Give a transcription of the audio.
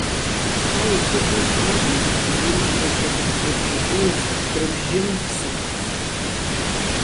Ихала ихы ҿихыр акәын, амчрақәа дахьрыбжьагылаз дрыбжьымԥсаарц.